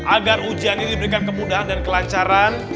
agar ujian ini diberikan kemudahan dan kelancaran